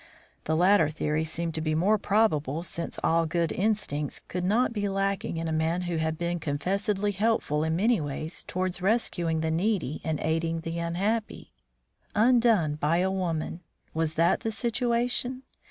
The latter theory seemed the more probable, since all good instincts could not be lacking in a man who had been confessedly helpful in many ways towards rescuing the needy and aiding the unhappy. Undone by a woman! Was that the situation?